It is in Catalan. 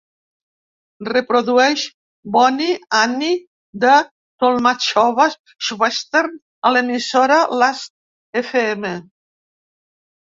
Reprodueix Bonnie Annie de Tolmatschowa-schwestern a l'emissora last fm.